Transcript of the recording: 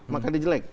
maka dia jelek